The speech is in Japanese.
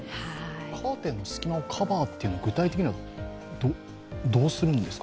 カーテンの隙間をカバーというのは具体的にはどうするんですか？